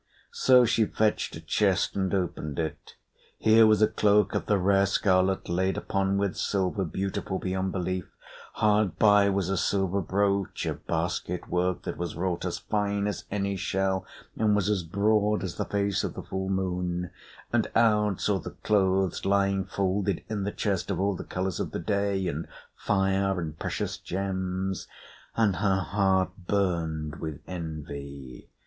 So she fetched a chest and opened it. Here was a cloak of the rare scarlet laid upon with silver, beautiful beyond belief; hard by was a silver brooch of basket work that was wrought as fine as any shell and was as broad as the face of the full moon; and Aud saw the clothes lying folded in the chest, of all the colours of the day, and fire, and precious gems; and her heart burned with envy.